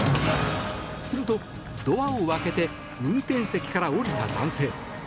すると、ドアを開けて運転席から降りた男性。